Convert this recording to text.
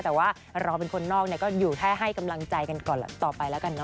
แต่ว่าเราเป็นคนนอกเนี่ยก็อยู่แค่ให้กำลังใจกันก่อนต่อไปแล้วกันนะ